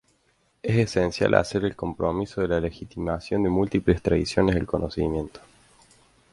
Es esencial hacer el compromiso de la legitimación de múltiples tradiciones del conocimiento.